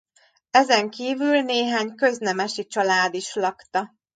Ezenkívül néhány köznemesi család is lakta.